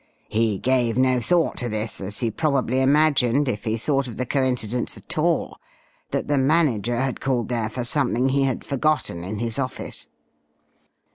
He gave no thought to this, as he probably imagined, if he thought of the coincidence at all, that the manager had called there for something he had forgotten in his office."